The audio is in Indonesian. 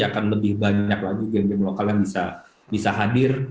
akan lebih banyak lagi game game lokal yang bisa hadir